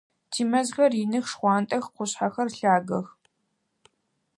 Тимэзхэр иных, шхъуантӏэх, къушъхьэхэр лъагэх.